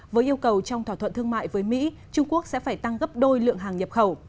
với yêu cầu trong thỏa thuận thương mại với mỹ trung quốc sẽ phải tăng gấp đôi lượng hàng nhập khẩu